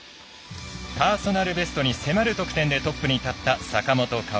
パーソナルベストに迫る得点でトップに立った坂本花織。